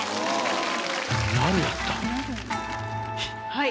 はい。